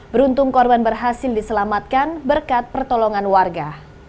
beruntung korban berhasil diselamatkan berkat pertolongan warga